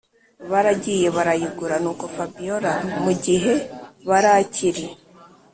baragiye barayigura nuko fabiora mugihe barakiri